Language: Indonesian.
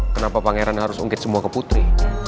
kenapa pangeran harus ungkit semua ke putri